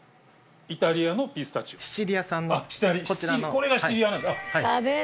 これがシチリアなんですか？